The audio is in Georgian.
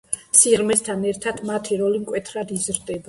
სიღრმესთან ერთად მათი როლი მკვეთრად იზრდება.